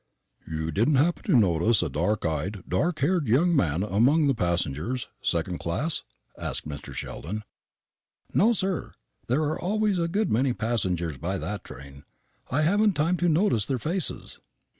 "You didn't happen to notice a dark eyed, dark haired young man among the passengers second class?" asked Mr. Sheldon. "No, sir. There are always a good many passengers by that train; I haven't time to notice their faces."